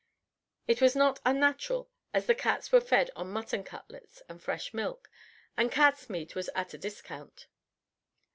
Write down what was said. It was not unnatural, as the cats were fed on mutton cutlets and fresh milk, and cats' meat was at a discount.